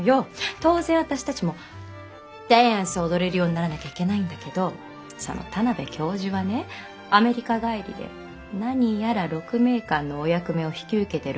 当然私たちもダンスを踊れるようにならなきゃいけないんだけどその田邊教授がねアメリカ帰りで何やら鹿鳴館のお役目を引き受けてるお人らしいのよ！